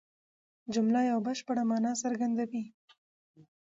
جمله یوه بشپړه مانا څرګندوي.